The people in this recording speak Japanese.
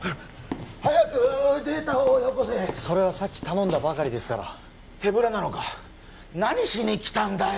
早くデータをよこせそれはさっき頼んだばかりですから手ぶらなのか何しに来たんだよ